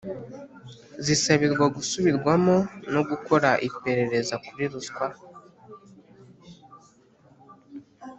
zisabirwa gusubirwamo no mu gukora iperereza kuri ruswa;